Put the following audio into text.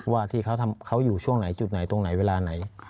ว่าที่เขาอยู่ช่วงไหนจุดไหนตรงไหนเวลาไหน